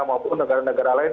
maupun negara negara lain